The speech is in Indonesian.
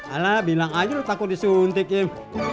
ala bilang aja lah takut disuntikin